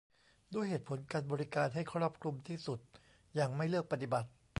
ด้วยเหตุผลการบริการให้ครอบคลุมที่สุดอย่างไม่เลือกปฏิบัติ